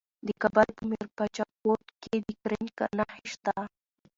د کابل په میربچه کوټ کې د ګرانیټ نښې شته.